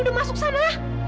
udah masuk sana